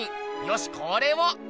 よしこれを。